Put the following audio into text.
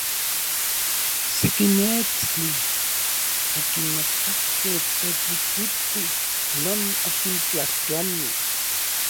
Seki meetstli okimakakej Tetlikuiti non okintlajtlani.